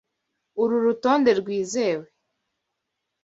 Uru rutonde rwizewe?